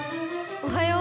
おはよう。